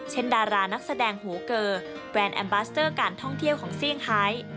ดารานักแสดงหูเกอร์แบรนดแอมบาสเตอร์การท่องเที่ยวของเซี่ยงไฮ